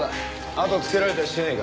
あとをつけられたりしてねえか？